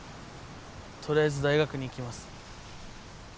とりあえず大学に行きます。